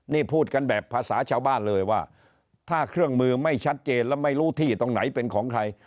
นี่พูดกันแบบภาษาชาวบ้านเลยว่าถ้าเครื่องมือไม่ชัดเจนแล้วไม่รู้ที่ตรงไหนเป็นของใคร